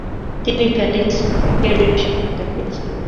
তিনি ফেলিক্স কেরির সহায়তা পেয়েছিলেন ।